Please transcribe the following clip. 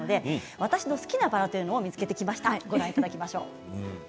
私の好きなバラも見つけてきました。